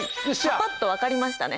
パパっと分かりましたね。